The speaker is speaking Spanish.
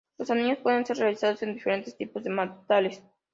Los anillos pueden ser realizados en diferentes tipos de metales.